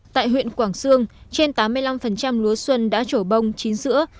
tại huyện quảng sương trên tám mươi năm lúa xuân đã trổ bông chín sữa